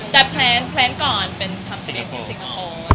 ใช่แต่แพลนก่อนเป็นทำทะเบียนที่สิงคโปร์